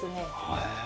へえ。